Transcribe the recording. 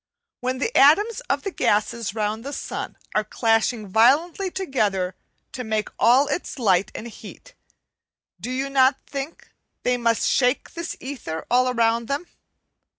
When the atoms of the gases round the sun are clashing violently together to make all its light and heat, do you not think they must shake this ether all around them?